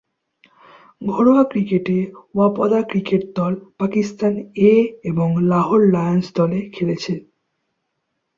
ঘরোয়া ক্রিকেটে ওয়াপদা ক্রিকেট দল, পাকিস্তান এ এবং লাহোর লায়ন্স দলে খেলছেন।